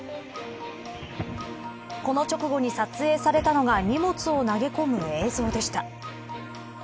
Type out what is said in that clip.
この直後に撮影されたのが荷物を投げ込む映像でした。